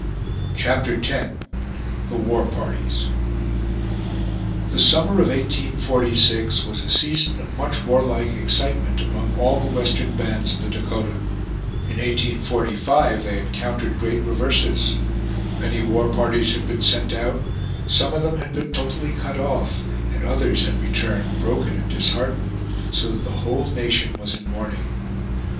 CHAPTER X THE WAR PARTIES The summer of 1846 was a season of much warlike excitement among all the western bands of the Dakota. In 1845 they encountered great reverses. Many war parties had been sent out; some of them had been totally cut off, and others had returned broken and disheartened, so that the whole nation was in mourning.